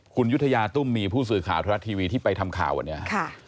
คุณยุธยาตุ้มมีผู้สื่อข่าวทรัฐทีวีที่ไปทำข่าววันนี้